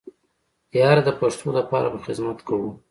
ياره د پښتو د پاره به خدمت کوو.